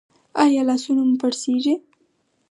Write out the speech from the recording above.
ایا لاسونه مو پړسیږي؟